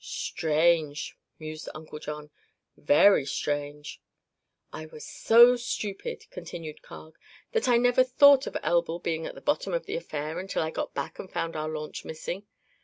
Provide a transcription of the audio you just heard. "Strange," mused Uncle John; "very strange!" "I was so stupid," continued Carg, "that I never thought of Elbl being at the bottom of the affair until I got back and found our launch missing.